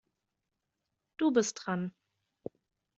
Du bist dran.